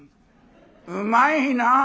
「うまいなあ。